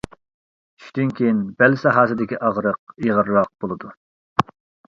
چۈشتىن كېيىن بەل ساھەسىدىكى ئاغرىق ئېغىرراق بولىدۇ.